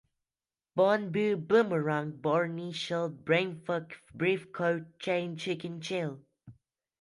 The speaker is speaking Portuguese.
bon, boo, boomerang, bourne shell, brainfuck, brief code, chain, chicken, chill